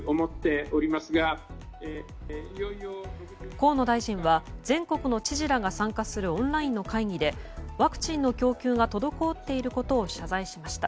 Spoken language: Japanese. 河野大臣は全国の知事らが参加するオンラインの会議でワクチンの供給が滞っていることを謝罪しました。